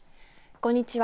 こんにちは。